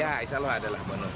ya insya allah adalah bonus